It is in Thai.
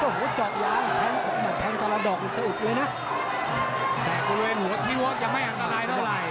โอ้โหจอกยางแทงแทงตลาดอกสะอุดดูนะแต่กูเลยหัวทิ้วออกจะไม่อันตรายเท่าไหร่